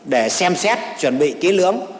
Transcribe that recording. để xem xét chuẩn bị kỹ lưỡng